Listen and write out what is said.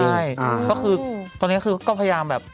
ใช่ก็คือตอนนี้คือก็พยายามแบบ